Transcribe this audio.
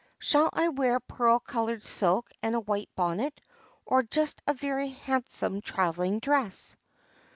Shall I wear pearl colored silk and a white bonnet, or just a very handsome travelling dress?"